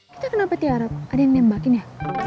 kita kena peti arap ada yang nembakin ya